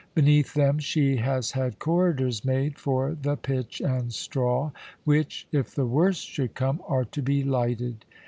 Beneath them she has had corridors made for the pitch and straw which, if the worst should come, are to be lighted.